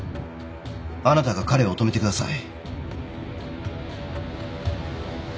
あなたが彼を止めてください。